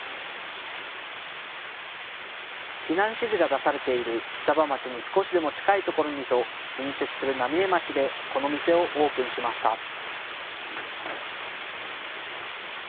避難指示が出されている双葉町に少しでも近いところにと隣接する浪江町でこの店をオープンしました。